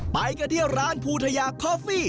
ไปกันที่ร้านภูทะยาคอฟฟี่